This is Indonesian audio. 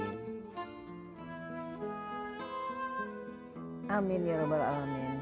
amin ya rabbal alamin